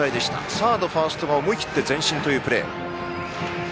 サード、ファーストが思い切って前進というプレー。